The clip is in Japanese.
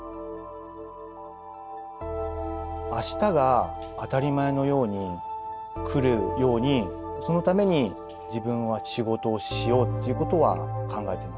明日が当たり前のように来るようにそのために自分は仕事をしようっていうことは考えてます。